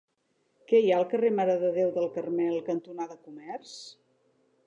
Què hi ha al carrer Mare de Déu del Carmel cantonada Comerç?